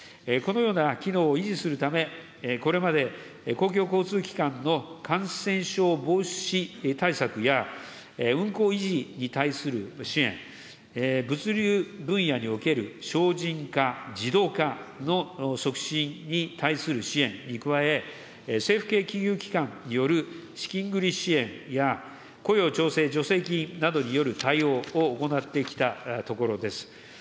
このような機能を維持するため、これまで、公共交通機関の感染症防止対策や、運行維持に対する支援、物流分野におけるしょうじん化、自動化の促進に対する支援に加え、政府系金融機関による資金繰り支援や、雇用調整助成金などによる対応を行ってきたところです。